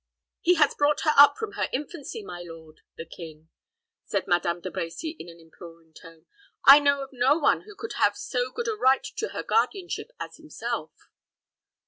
"He has brought her up from her infancy, my lord the king," said Madame De Brecy, in an imploring tone. "I know of no one who could have so good a right to her guardianship as himself."